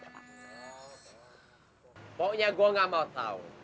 pokoknya gue gak mau tahu